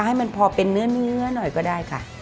ให้มันพอเป็นเนื้อหน่อยก็ได้ค่ะ